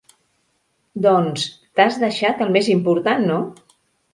Doncs t'has deixat el més important, no?